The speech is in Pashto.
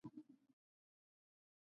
برزو تر پرتوګ لاندي اغوستل کيږي.